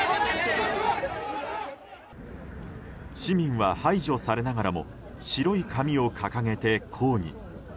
市民は排除されながらも白い紙を掲げて抗議。